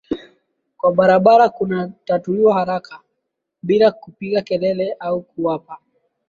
kwa barabara kunatatuliwa haraka bila kupiga kelele au kuapa